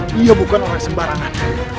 dia bukan orang sembarangan